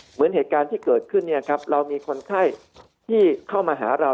เหมือนเหตุการณ์ที่เกิดขึ้นเนี่ยครับเรามีคนไข้ที่เข้ามาหาเรา